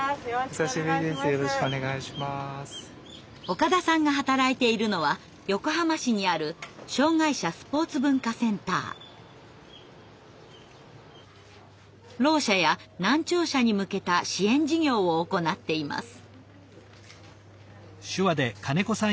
岡田さんが働いているのは横浜市にあるろう者や難聴者に向けた支援事業を行っています。